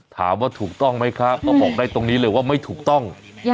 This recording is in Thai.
ถามว่าถูกต้องไหมครับก็บอกได้ตรงนี้เลยว่าไม่ถูกต้อง